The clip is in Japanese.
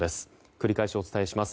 繰り返しお伝えします。